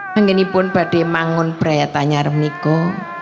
hengginipun bademangun pria tanyar menikoh